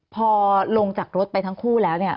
พอลงจากรถไปทั้งคู่แล้ว